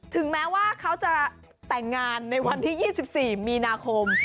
ถึงแม้ว่าเขาจะแต่งงานในวันที่๒๔มีนาคม